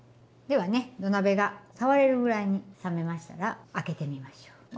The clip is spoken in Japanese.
ではね土鍋が触れるぐらいに冷めましたら開けてみましょう。